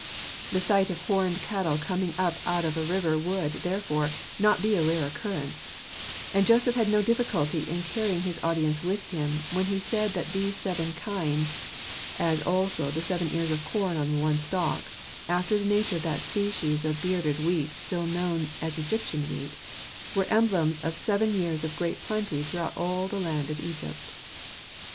The sight of horned cattle coming up out of a river would, therefore, not be a rare occurrence; and Joseph had no difficulty in carrying his audience with him, when he said that these seven kine — as also the seven ears of corn on one stalk, after the nature of that species of bearded wheat still known as Egyptian wheat — were emblems of seven years of great plenty throughout all the land of Egypt.